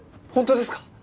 本当ですか？